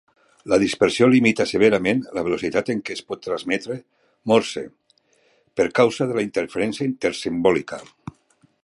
La dispersió limita severament la velocitat en que es pot transmetre Morse, per causa de la interferència intersimbòlica.